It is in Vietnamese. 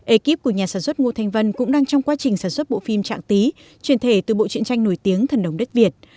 ekip của nhà sản xuất ngô thanh vân cũng đang trong quá trình sản xuất bộ phim trạng tý truyền thể từ bộ truyện tranh nổi tiếng thần đồng đất việt